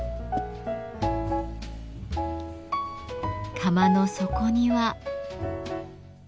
釜の底には。